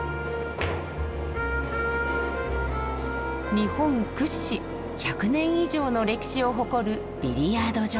日本屈指１００年以上の歴史を誇るビリヤード場。